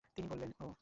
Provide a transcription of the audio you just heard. তিনি বললেন, ও ।